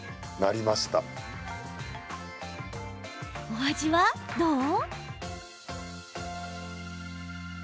お味は、どう？